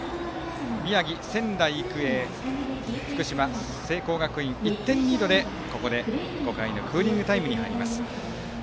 宮城・仙台育英福島・聖光学院の試合は仙台育英の１点リードでここで５回のクーリングタイムに入ります。